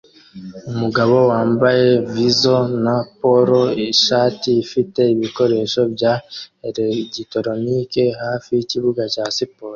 Umugabo wambaye visor na polo ishati ifite ibikoresho bya elegitoronike hafi yikibuga cya siporo